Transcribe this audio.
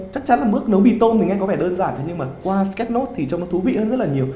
chắc chắn là bức nấu bì tôm thì nghe có vẻ đơn giản thế nhưng mà qua sketch note thì trông nó thú vị hơn rất là nhiều